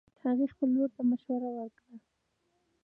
هغې خپل ورور ته مشوره ورکړه